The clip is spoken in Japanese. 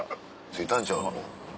着いたんちゃうか？